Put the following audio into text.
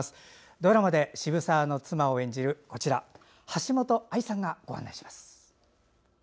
ドラマで渋沢の妻を演じる橋本愛さんがお伝えします。